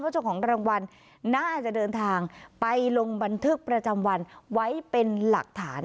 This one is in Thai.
เจ้าของรางวัลน่าจะเดินทางไปลงบันทึกประจำวันไว้เป็นหลักฐาน